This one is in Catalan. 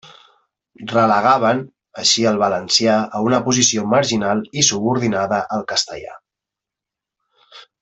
Relegaven, així el valencià a una posició marginal i subordinada al castellà.